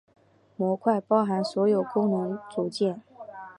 模块包含所有功能组件。